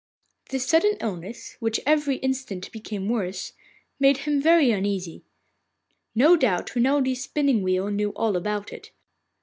This sudden illness, which every instant became worse, made him very uneasy. No doubt Renelde's spinning wheel knew all about it.